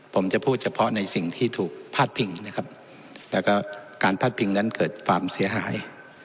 ผมจะพูดเฉพาะในสิ่งที่ถูกพาดพิงนะครับแล้วก็การพาดพิงนั้นเกิดความเสียหาย